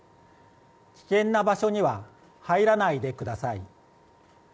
危険な場所には入らないでください。